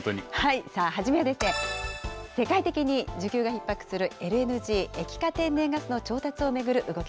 初めは、世界的に需給がひっ迫するＬＮＧ・液化天然ガスの調達を巡る動き